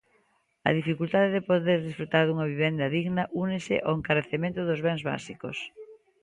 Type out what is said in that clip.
Á dificultade de poder desfrutar dunha vivenda digna únese o encarecemento dos bens básicos.